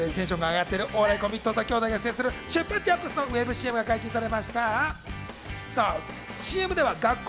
カラフルな衣装でテンションが上がっている、お笑いコンビ・土佐兄弟が出演するチュッパチャプスのＣＭが解禁されました。